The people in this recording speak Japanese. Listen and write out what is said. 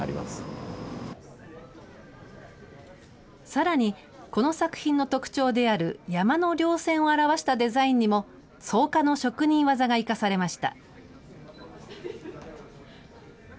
さらに、この作品の特徴である山のりょう線を表したデザインにも、草加の職人技が生かされました。